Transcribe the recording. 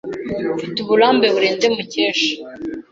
Mfite uburambe burenze Mukesha.